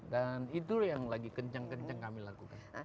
dan itu yang lagi kencang kencang kami lakukan